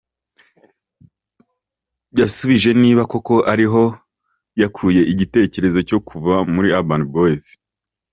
Yasubije niba koko ariho yakuye igitekerezo cyo kuva muri Urban Boys.